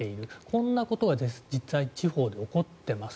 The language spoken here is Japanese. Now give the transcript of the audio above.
こんなことが実際、地方で起こっています。